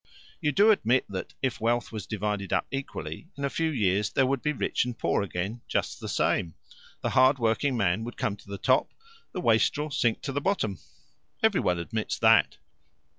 "You do admit that, if wealth was divided up equally, in a few years there would be rich and poor again just the same. The hard working man would come to the top, the wastrel sink to the bottom." "Every one admits that."